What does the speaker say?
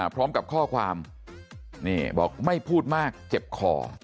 พร้อมกับข้อความนี่บอกไม่พูดมากเจ็บคอ